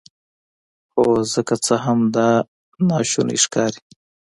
هو زه که څه هم دا ناشونی ښکاري